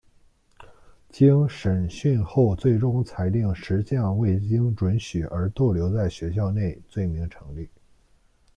经审讯后最终裁定十项未经准许而逗留在学校内罪名成立。